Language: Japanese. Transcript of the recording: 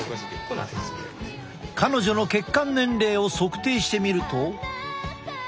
彼女の血管年齢を測定してみると。